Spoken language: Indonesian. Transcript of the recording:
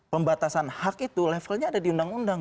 pembatasan hak itu levelnya ada di undang undang